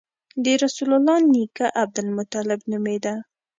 د رسول الله نیکه عبدالمطلب نومېده.